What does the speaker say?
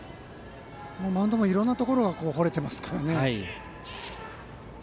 もうマウンドもいろんなところが掘れてますからね。